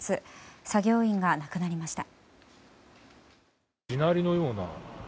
作業員が亡くなりました。